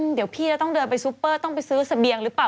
เดี๋ยวพี่จะต้องเดินไปซูเปอร์ต้องไปซื้อเสบียงหรือเปล่า